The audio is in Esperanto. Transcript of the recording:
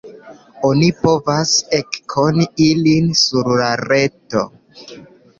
Oni povas ekkoni ilin sur la reto.